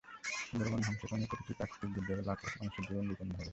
সুন্দরবন ধ্বংসের কারণে প্রতিটি প্রাকৃতিক দুর্যোগে লাখ লাখ মানুষের জীবন বিপন্ন হবে।